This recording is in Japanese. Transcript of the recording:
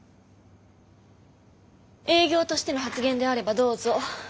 営業としての発言であればどうぞ。